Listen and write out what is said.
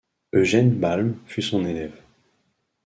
Eugène Balme fut son élève.